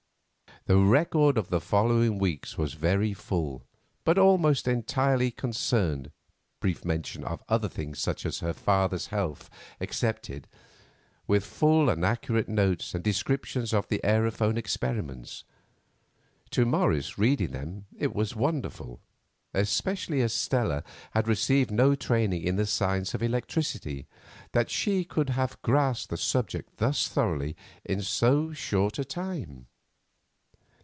The record of the following weeks was very full, but almost entirely concerned—brief mention of other things, such as her father's health excepted—with full and accurate notes and descriptions of the aerophone experiments. To Morris reading them it was wonderful, especially as Stella had received no training in the science of electricity, that she could have grasped the subject thus thoroughly in so short a time.